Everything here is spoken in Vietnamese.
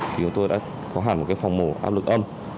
thì chúng tôi đã có hẳn một phòng mổ áp lực âm